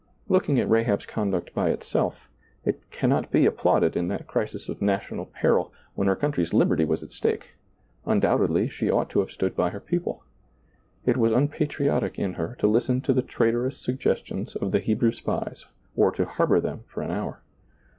Looking at Rahab's conduct by itself, it cannot be applauded in that crisis of national ^lailizccbvGoOgle aS SEEING DARKLY peril, when her country's liberty was at stake ; undoubtedly she ought to have stood by her people ; it was unpatriotic in her to listen to the traitorous suggestions of the Hebrew spies or to harbor them for an hour.